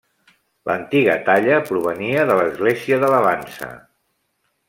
L'antiga talla provenia de l'església de La Vansa.